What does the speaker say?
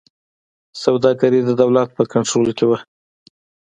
سوداګري د دولت په کنټرول کې وه.